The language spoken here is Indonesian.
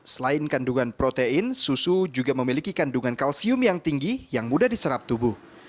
selain kandungan protein susu juga memiliki kandungan kalsium yang tinggi yang mudah diserap tubuh